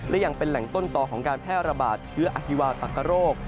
และยังเป็นแหล่งต้นต่อของการแพร่ระบาดเชื้ออฮิวาตักกะโรค